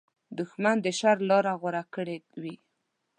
دښمن د شر لاره غوره کړې وي